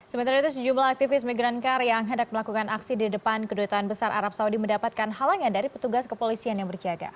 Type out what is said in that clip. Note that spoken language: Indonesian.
sementara itu sejumlah aktivis migran car yang hendak melakukan aksi di depan kedutaan besar arab saudi mendapatkan halangan dari petugas kepolisian yang berjaga